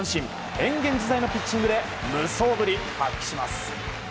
変幻自在のピッチングで無双ぶりを発揮します。